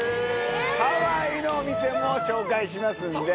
ハワイのお店も紹介しますんで。